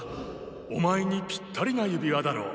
お前にピッタリな指輪だろう。